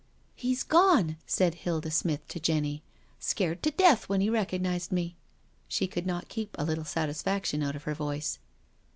" He's gone," said Hilda Smith to Jenny. " Scared to death when he recognised me." She could not keep a little satisfaction out of her voice.